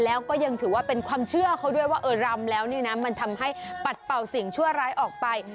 แล้วก็ยังถือว่าเป็นความเชื่อเขาด้วยว่าเออรำแล้วนี่นะมันทำให้ปัดเป่าสิ่งชั่วร้ายออกไป